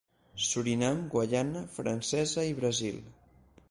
Surinam, Guaiana Francesa i Brasil.